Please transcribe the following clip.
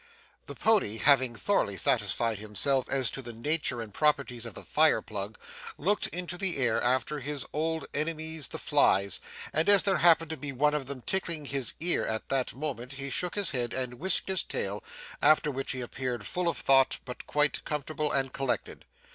The pony having thoroughly satisfied himself as to the nature and properties of the fire plug, looked into the air after his old enemies the flies, and as there happened to be one of them tickling his ear at that moment he shook his head and whisked his tail, after which he appeared full of thought but quite comfortable and collected.